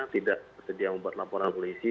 tidak sedia membuat laporan polisi